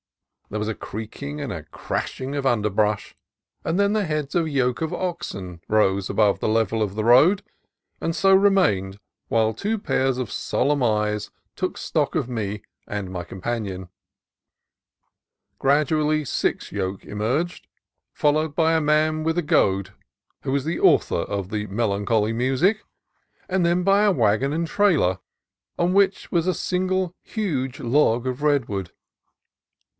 There was a creaking and cracking of underbrush, and then the heads of a yoke of oxen rose above the level of the road, and so re mained while two pairs of solemn eyes took stock of me and my companion. Gradually six yoke emerged, followed by a man with a goad, who was the author of the melancholy music, and then by a wagon and trailer on which was a single huge log of THE SANTA CRUZ REDWOODS 231 redwood.